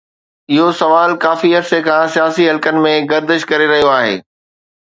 اهو سوال ڪافي عرصي کان سياسي حلقن ۾ گردش ڪري رهيو آهي.